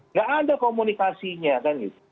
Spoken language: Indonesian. nggak ada komunikasinya kan gitu